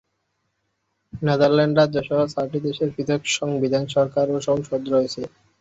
Netherlands রাজ্য সহ চারটি দেশের পৃথক সংবিধান, সরকার এবং সংসদ রয়েছে।